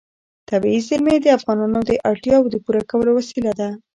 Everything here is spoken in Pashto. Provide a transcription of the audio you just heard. طبیعي زیرمې د افغانانو د اړتیاوو د پوره کولو وسیله ده.